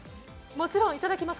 もちろんいただきます。